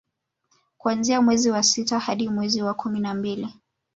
kuanzia mwezi wa sita hadi mwezi wa kumi na mbili